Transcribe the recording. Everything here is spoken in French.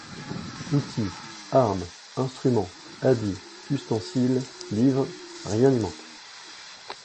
Outils, armes, instruments, habits, ustensiles, livres, rien n’y manque !